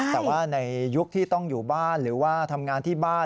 แต่ว่าในยุคที่ต้องอยู่บ้านหรือว่าทำงานที่บ้าน